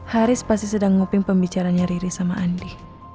haris pasti sedang ngopeng pembicaraan riri sama andi